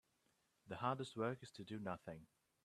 The hardest work is to do nothing.